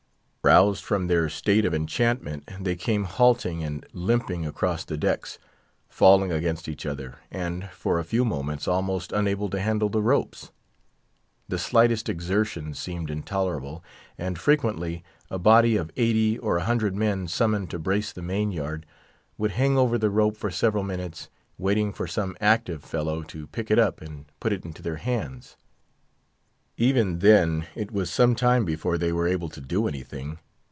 Roused from their state of enchantment, they came halting and limping across the decks, falling against each other, and, for a few moments, almost unable to handle the ropes. The slightest exertion seemed intolerable; and frequently a body of eighty or a hundred men summoned to brace the main yard, would hang over the rope for several minutes, waiting for some active fellow to pick it up and put it into their hands. Even then, it was some time before they were able to do anything.